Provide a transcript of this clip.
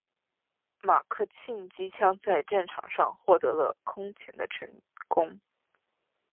马克沁机枪在战场上获得了空前的成功。